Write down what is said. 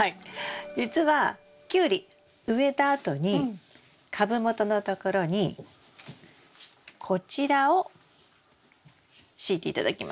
じつはキュウリ植えたあとに株元のところにこちらを敷いて頂きます。